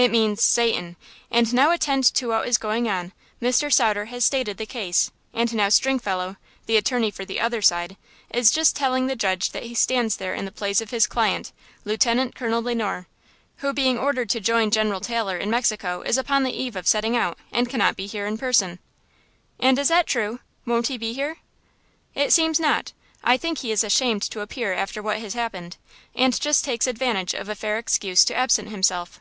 "It means–Satan! And now attend to what is going on! Mr. Sauter has stated the case, and now Stringfellow, the attorney for the other side, is just tellling the judge that he stands there in the place of his client, Lieutenant Colonel Le Noir, who, being ordered to join General Taylor in Mexico, is upon the eve of setting out and cannot be here in person!" "And is that true? Won't he be here?" "It seems not. I think he is ashamed to appear after what has happened, and just takes advantage of a fair excuse to absent himself."